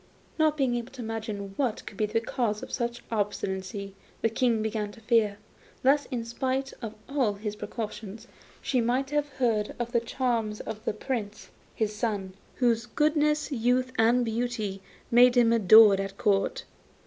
Not being able to imagine what could be the cause of so much obstinacy the King began to fear, lest, in spite of all his precautions, she might have heard of the charms of the Prince his son, whose goodness, youth and beauty, made him adored at Court.